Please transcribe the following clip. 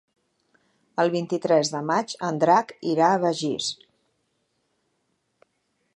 El vint-i-tres de maig en Drac irà a Begís.